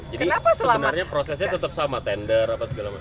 jadi sebenarnya prosesnya tetap sama tender apa segala macam